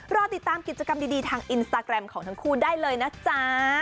รอติดตามกิจกรรมดีทางอินสตาแกรมของทั้งคู่ได้เลยนะจ๊ะ